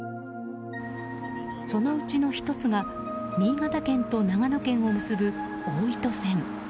そのうちの１つが新潟県と長野県を結ぶ大糸線。